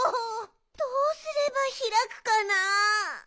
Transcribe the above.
どうすればひらくかなあ。